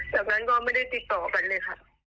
จากนั้นก็ไม่ได้ติดต่อกันเลยค่ะ